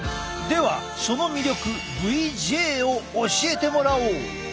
その魅力ＶＪを教えてもらおう。